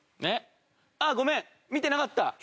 えっ？あっごめん見てなかった。